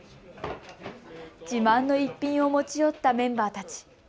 自慢の一品を持ち寄ったメンバーたち。